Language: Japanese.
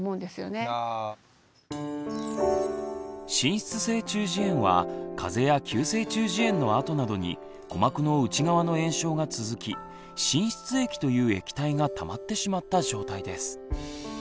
滲出性中耳炎は風邪や急性中耳炎のあとなどに鼓膜の内側の炎症が続き滲出液という液体がたまってしまった状態です。